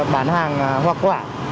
bán hàng hoa quả